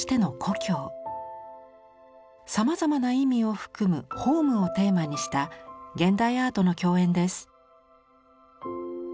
さまざまな意味を含む「ホーム」をテーマにした現代アートの競演です。